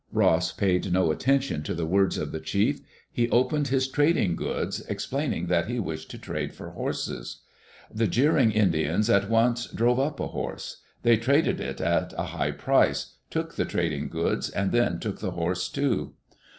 Ross paid no attention to die words of the chief. He Digitized by CjOOQ IC EARLY DAYS IN OLD OREGON opened his trading goods, explaining that he wished to trade for horses. The jeering Indians at once drove up a horse. They traded it at a high price, took die trading goods, and then took the horse, too.